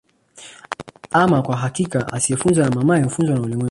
Aama kwa hakika asiyefunzwa na mamaye hufuzwa na ulimwengu